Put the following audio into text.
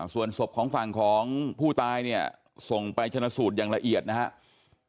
ส่วนศพของฝั่งของผู้ตายเนี่ยส่งไปชนะสูตรอย่างละเอียดนะครับ